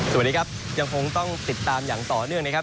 สวัสดีครับยังคงต้องติดตามอย่างต่อเนื่องนะครับ